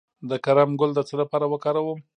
د کرم ګل د څه لپاره وکاروم؟